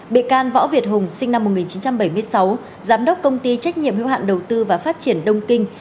bị can võ việt hùng sinh năm một nghìn chín trăm bảy mươi sáu giám đốc công ty trách nhiệm hữu hạn đầu tư và phát triển đông kinh